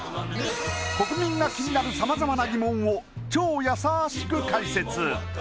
国民が気になる様々な疑問を超やさしく解説